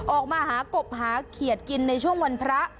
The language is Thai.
หากบหาเขียดกินในช่วงวันพระ